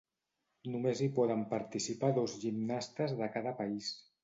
Només hi poden participar dos gimnastes de cada país.